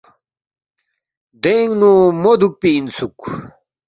دینگ نُو مو دُوکپی اِنسُوک